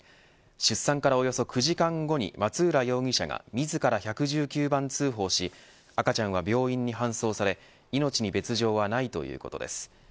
出産からおよそ９時間後に松浦容疑者が自ら１１９番通報し赤ちゃんは病院に搬送され命に別条はないということです。